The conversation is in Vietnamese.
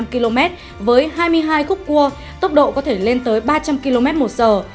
một mươi km với hai mươi hai khúc cua tốc độ có thể lên tới ba trăm linh km một giờ